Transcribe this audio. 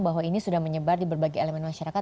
bahwa ini sudah menyebar di berbagai elemen masyarakat